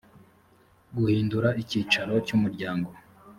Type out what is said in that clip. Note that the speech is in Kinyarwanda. guhindura icyicaro cy umuryango